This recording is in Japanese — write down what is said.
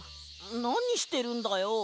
なにしてるんだよ？